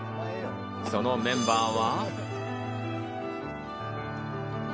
そのメンバーは。